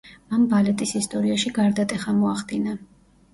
მან ბალეტის ისტორიაში გარდატეხა მოახდინა.